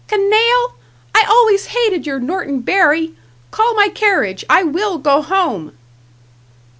"Canaille! I always hated your Norton Bury! Call my carriage. I will go home."